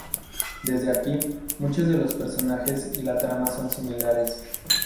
Desde aquí, muchos de los personajes y la trama son similares.